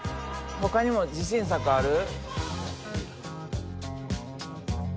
ほかにも自信作ある？